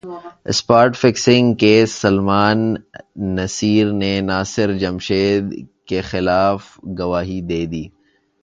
spot fixing case Salman Naseer نے ناصر جمشید کیخلاف گواہی دے دی